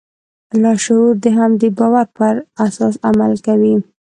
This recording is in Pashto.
لاشعور د همدې باور پر اساس عمل کوي